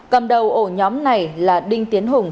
cầm đầu ổ nhóm này là đinh tiến hùng